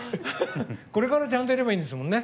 これから、ちゃんとやればいいんですもんね？